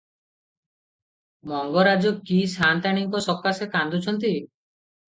ମଙ୍ଗରାଜ କି ସାଆନ୍ତାଣୀଙ୍କ ସକାଶେ କାନ୍ଦୁଛନ୍ତି?